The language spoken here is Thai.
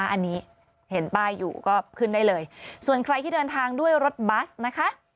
อันนี้เห็นป้ายอยู่ก็ขึ้นได้เลยส่วนใครที่เดินทางด้วยรถบัสนะคะ